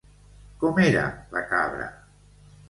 Com era la cabra?